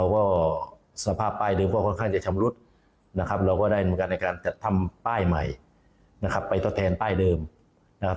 ก็สภาพป้ายเดิมก็ค่อนข้างจะชำรุดนะครับเราก็ได้เหมือนกันในการจัดทำป้ายใหม่นะครับไปทดแทนป้ายเดิมนะครับ